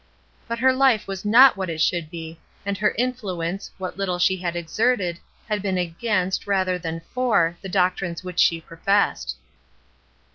But her Me was not what it should be, and her influence, what little she had exerted, had been against, rather than for, the doctrines which she professed.